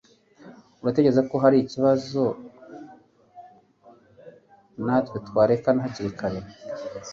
Uratekereza ko hari ikibazo natwe twerekana hakiri kare